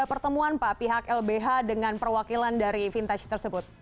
ada pertemuan pak pihak lbh dengan perwakilan dari vintage tersebut